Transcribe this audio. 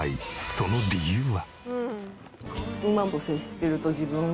その理由は？